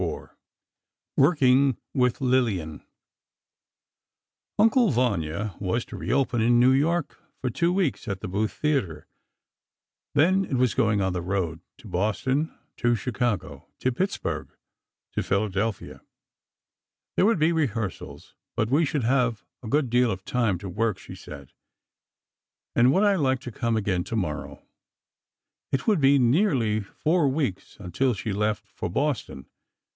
IV WORKING WITH LILLIAN "Uncle Vanya" was to reopen in New York for two weeks at the Booth Theatre, then it was going on the road—to Boston, to Chicago, to Pittsburgh, to Philadelphia. There would be rehearsals, but we should have a good deal of time to work, she said, and would I like to come again tomorrow? It would be nearly four weeks until she left for Boston.